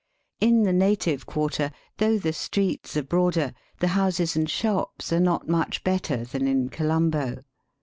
In the native quarter, though the streets are broader, the houses and shops are not much better than in Colombo.